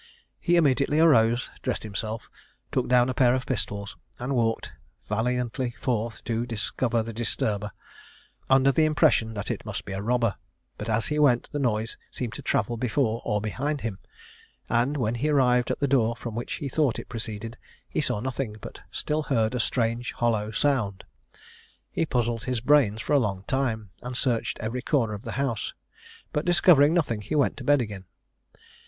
He immediately arose, dressed himself, took down a pair of pistols, and walked valiantly forth to discover the disturber, under the impression that it must be a robber; but, as he went, the noise seemed to travel before or behind him; and, when he arrived at the door from which he thought it proceeded, he saw nothing, but still heard "a strange hollow sound." He puzzled his brains for a long time, and searched every corner of the house; but, discovering nothing, he went to bed again.